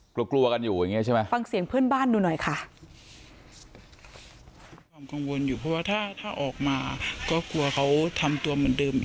กลัวกลัวกันอยู่อย่างนี้ใช่ไหม